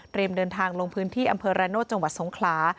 เดินทางลงพื้นที่อำเภอระโนธจังหวัดสงขลา